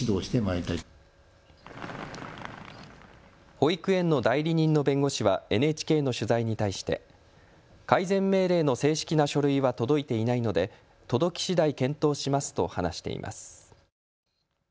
保育園の代理人の弁護士はＮＨＫの取材に対して改善命令の正式な書類は届いていないので届きしだい検討しますと話しています。